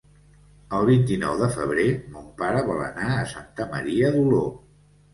El vint-i-nou de febrer mon pare vol anar a Santa Maria d'Oló.